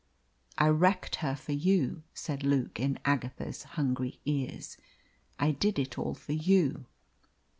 "I wrecked her for you," said Luke, in Agatha's hungry ears. "I did it all for you."